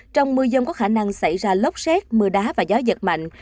trong mưa dông có khả năng xảy ra lốc xét mưa đá và gió giật mạnh